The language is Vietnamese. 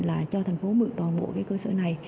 là cho thành phố mượn toàn bộ cái cơ sở này